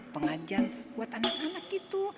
pengajar buat anak anak gitu